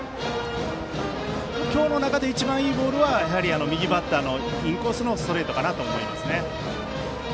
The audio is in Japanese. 今日の中で一番いいボールは右バッターのインコースのストレートかなと思いますね。